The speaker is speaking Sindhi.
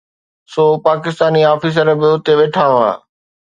سو پاڪستاني آفيسر به اتي ويٺا هئا.